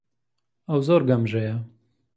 ئەو زۆر گەمژەیە.